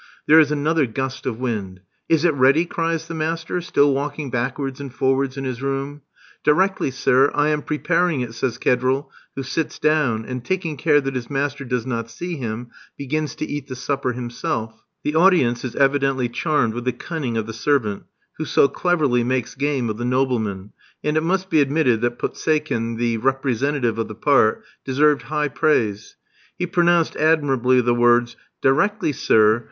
There is another gust of wind. "Is it ready?" cries the master, still walking backwards and forwards in his room. "Directly, sir. I am preparing it," says Kedril, who sits down, and, taking care that his master does not see him, begins to eat the supper himself. The audience is evidently charmed with the cunning of the servant, who so cleverly makes game of the nobleman; and it must be admitted that Poseikin, the representative of the part, deserved high praise. He pronounced admirably the words: "Directly, sir.